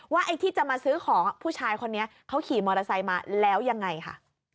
ไอ้ที่จะมาซื้อของผู้ชายคนนี้เขาขี่มอเตอร์ไซค์มาแล้วยังไงค่ะ